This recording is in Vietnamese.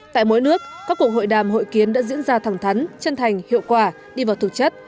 tại mỗi nước các cuộc hội đàm hội kiến đã diễn ra thẳng thắn chân thành hiệu quả đi vào thực chất